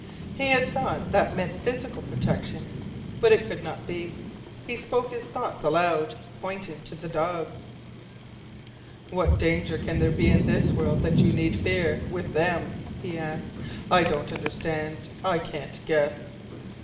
He had thought that meant physical protection. But it could not be. He spoke his thoughts aloud, pointing to the dogs: "What danger can there be in this world that you need fear with them?" he asked. "I don't understand. I can't guess."